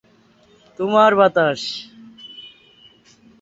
আগমনী-বিজয়া গানের মধ্য দিয়ে শাক্তপদাবলির সংসারমুখী প্রবণতা লক্ষ্য করা যায়।